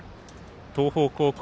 東邦高校